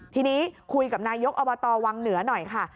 ทีนี้คุยกับนายกอบตวังเหนือหน่อยค่ะ